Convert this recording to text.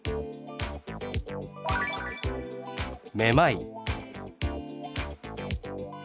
「めまい」。